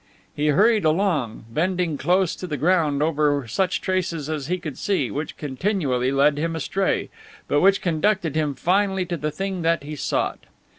He hurried along, bending close to the ground over such traces as he could see, which continually led him astray, but which conducted him finally to the thing that he sought.